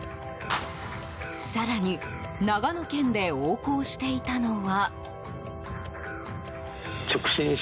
更に長野県で横行していたのは。